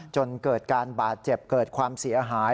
จนเกิดการบาดเจ็บเกิดความเสียหาย